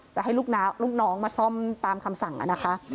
จะให้ลูกน้องมาซ่อมตามคำสั่งนะคะ